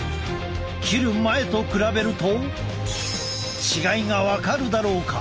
切る前と比べると違いが分かるだろうか。